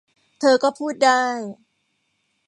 เธอก็พูดได้